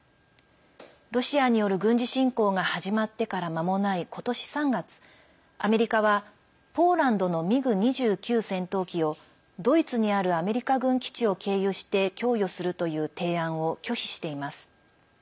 ロシアによる軍事侵攻が始まってから間もないことし３月、アメリカはポーランドのミグ２９戦闘機をドイツにあるアメリカ軍基地を経由して供与するという提案を拒否しています。